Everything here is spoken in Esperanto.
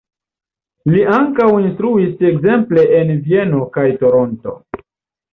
Li ankaŭ instruis ekzemple en Vieno kaj Toronto.